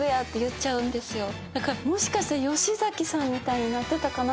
もしかしたら吉崎さんみたいになってたかな。